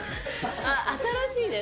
新しいです。